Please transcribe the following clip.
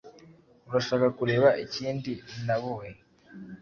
Urashaka kureba ikindi naboe?